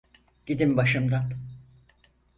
Gidin başımdan!